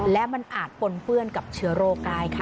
และมันอาจปนเปื้อนกับเชื้อโรคได้ค่ะ